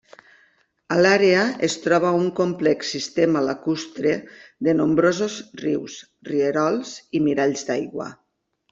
A l'àrea es troba un complex sistema lacustre de nombrosos rius, rierols i miralls d'aigua.